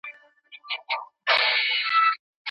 دقیقه وړاندوینه په علمي رشتو کې کیږي.